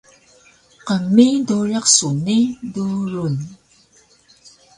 Qmi dowriq su ni durun!